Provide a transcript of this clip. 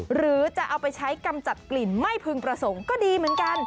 หรือจะเอาไปใช้กำจัดกลิ่นไม่พึงประสงค์ก็ดีเหมือนกัน